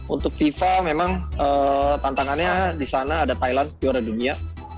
untuk fifa memang tantangannya di sana ada thailand juara dunia